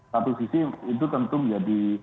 satu sisi itu tentu menjadi